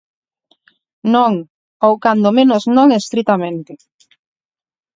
Non, ou cando menos non estritamente.